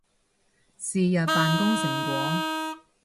是日扮工成果